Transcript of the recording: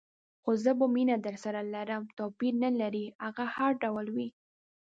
خو زه به مینه درسره لرم، توپیر نه لري هغه هر ډول وي.